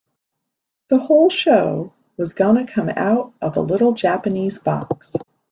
The whole show was gonna come out of a little Japanese box.